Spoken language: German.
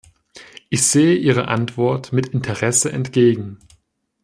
Ich sehe Ihrer Antwort mit Interesse entgegen.